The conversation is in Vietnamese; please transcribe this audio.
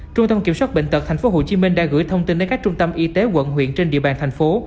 trung tâm kiểm soát bệnh tật tp hcm đã gửi thông tin đến các trung tâm y tế quận huyện trên địa bàn thành phố